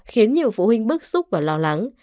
khiến nhiều phụ huynh bức xúc và lo lắng